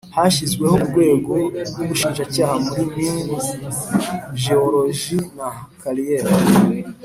Hashyizweho urwego rw ubushinjacyaha muri Mine Jewoloji na Kariyeri